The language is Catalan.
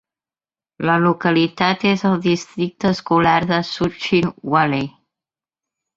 La localitat és al districte escolar de Schuykill Valley.